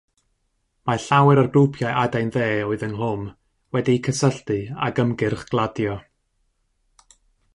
Mae llawer o'r grwpiau adain dde oedd ynghlwm wedi'u cysylltu ag Ymgyrch Gladio.